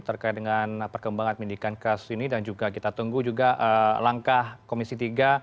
terkait dengan perkembangan pendidikan kasus ini dan juga kita tunggu juga langkah komisi tiga